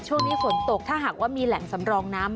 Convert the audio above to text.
ช่วงนี้ฝนตกถ้าหากว่ามีแหล่งสำรองน้ำ